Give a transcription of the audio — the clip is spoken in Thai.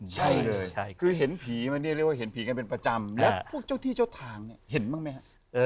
ใช่เลยคือเห็นผีมาเนี่ยเรียกว่าเห็นผีกันเป็นประจำแล้วพวกเจ้าที่เจ้าทางเนี่ยเห็นบ้างไหมฮะ